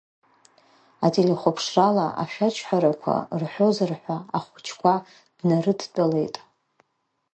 Ателехәаԥшрала ашәаџьҳәарақәа рҳәозар ҳәа, ахәыҷқәа днарыдтәалеит.